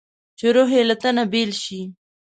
چې روح یې له تنه بېل شي.